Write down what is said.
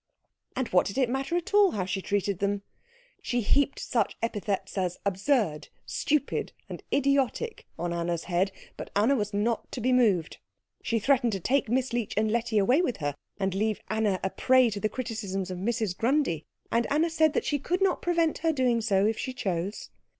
And what did it matter at all how she treated them? She heaped such epithets as absurd, stupid, and idiotic on Anna's head, but Anna was not to be moved. She threatened to take Miss Leech and Letty away with her, and leave Anna a prey to the criticisms of Mrs. Grundy, and Anna said she could not prevent her doing so if she chose.